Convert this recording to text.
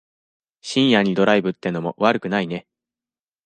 深夜にドライブってのも悪くないね。